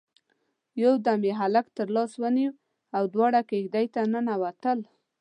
يودم يې هلک تر لاس ونيو او دواړه کېږدۍ ته ننوتل.